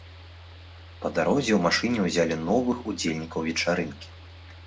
Па дарозе ў машыну ўзялі новых удзельнікаў вечарынкі.